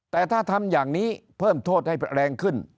แต่ถ้าทำอย่างนี้เพิ่มโทษให้แรงขึ้น